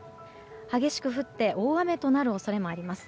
激しく降って大雨となる恐れもあります。